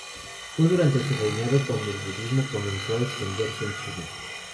Fue durante su reinado cuando el budismo comenzó a extenderse en China.